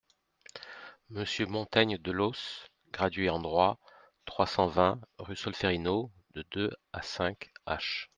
Monsieur Montaigne-Delos, gradué en droit, trois cent vingt, rue Solférino, de deux à cinq h.